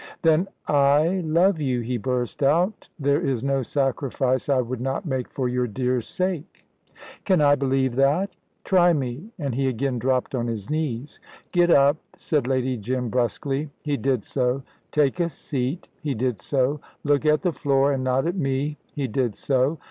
"Then I love you," he burst out. "There is no sacrifice I would not make for your dear sake." "Can I believe that?" "Try me," and he again dropped on his knees. "Get up," said Lady Jim, brusquely. He did so. "Take a seat!" He did so. "Look at the floor, and not at me." He did so.